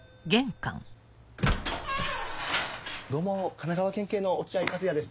どうも神奈川県警の落合和哉です。